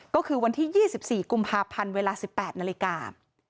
ก็คือวันที่๒๔กุมภาพันธ์เวลา๑๘นาฬิกา